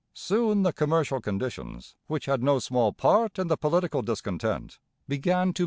Soon the commercial conditions, which had no small part in the political discontent, began to mend.